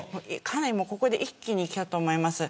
ここで一気にきたと思います。